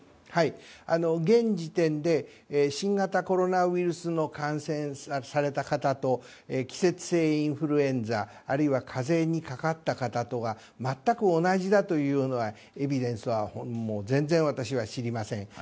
現時点で新型コロナウイルスに感染された方と季節性インフルエンザあるいは風邪にかかった方とは全く同じだというエビデンスは全然私は知りません。